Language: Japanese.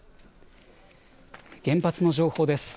原発の情報です。